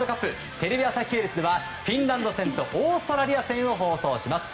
テレビ朝日系列ではフィンランド戦とオーストラリア戦を放送します。